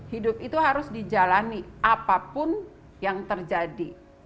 hidup itu harus dijalani apapun yang terjadi